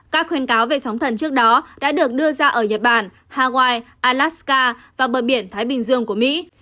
các khuyên cáo về sóng thần trước đó đã được đưa ra ở nhật bản hawaii alaska và bờ biển thái bình dương của mỹ